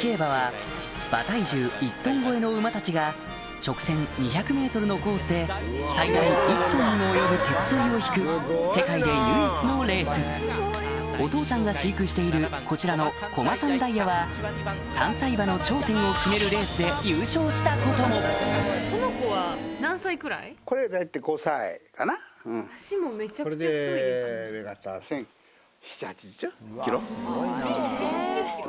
競馬は馬体重１トン超えの馬たちが直線２００ｍのコースで最大１トンにも及ぶ鉄そりを引く世界で唯一のレースお父さんが飼育しているこちらの「コマサンダイヤ」は３歳馬の頂点を決めるレースで優勝したことも１０７０１０８０ｋｇ？